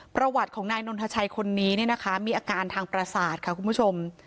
ประวัติของนายนนทชัยคนนี้เนี่ยนะคะมีอาการทางประสาทค่ะคุณผู้ชม